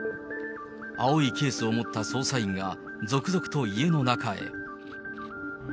青いケースを持った捜査員が、続々と家の中へ。